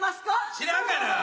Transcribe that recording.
知らんがな。